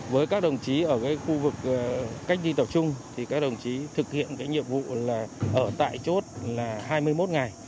với các đồng chí ở khu vực cách ly tập trung các đồng chí thực hiện nhiệm vụ ở tại chốt hai mươi một ngày